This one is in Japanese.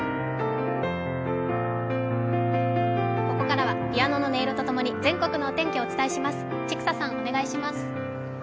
ここからはピアノの音色と共に全国のお天気をお伝えします。